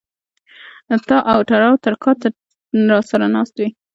تااو تراو تر کا ته را سر ه ناست وې